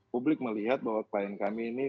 publik melihat bahwa klien kami ini